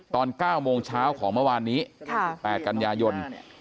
ตอน๙โมงเช้าของเมื่อวานนี้๘กันยายน